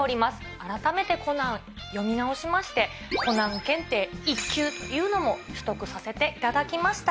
改めてコナンを読み直しまして、コナン検定１級というのも取得させていただきました。